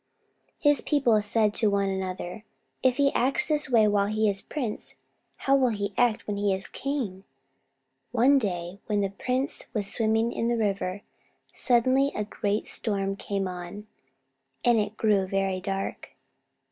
His people said to one another, "If he acts this way while he is a prince, how will he act when he is king?" One day when the prince was swimming in the river, suddenly a great storm came on, and it grew very dark.